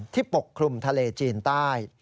ปกคลุมทะเลจีนใต้